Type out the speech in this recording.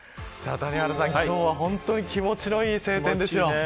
谷原さん、今日は本当に気持ちのいい晴天ですよ。